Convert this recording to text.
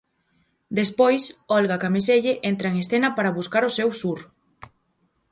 Despois, Olga Cameselle entra en escena para buscar o seu sur.